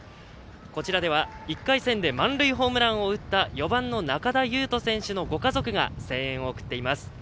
こちらでは１回戦で満塁ホームランを打った４番の仲田侑仁選手のご家族が声援を送っています。